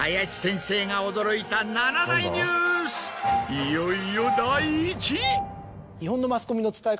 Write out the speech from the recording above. いよいよ第１位。